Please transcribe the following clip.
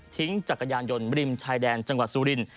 จักรยานยนต์ริมชายแดนจังหวัดสุริน